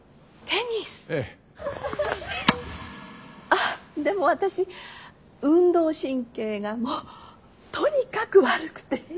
あっでも私運動神経がもうとにかく悪くて。